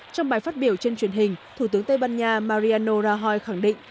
trong bài phát biểu trên truyền hình thủ tướng tây ban nha mariano rahoi khẳng định